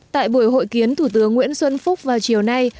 tại buổi hội kiến thủ tướng nguyễn xuân phúc vào chiều nay